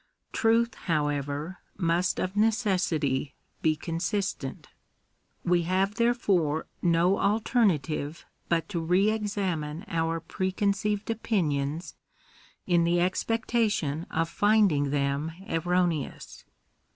Truth, however, must of necessity be consistent. We have therefore no alternative but to re examine our pre conceived opinions, in the expectation of finding them erro neous.